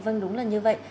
vâng đúng là như vậy